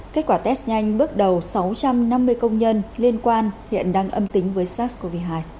kết quả test nhanh bước đầu sáu trăm năm mươi công nhân liên quan hiện đang âm tính với sars cov hai